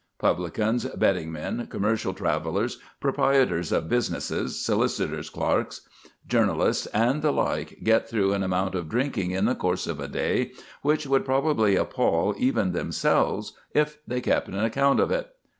Publicans, betting men, commercial travellers, proprietors of businesses, solicitors' clerks, journalists, and the like get through an amount of drinking in the course of a day which would probably appal even themselves if they kept an account of it.